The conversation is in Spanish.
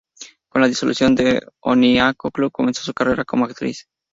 Con la disolución de Onyanko Club comenzó una carrera como actriz.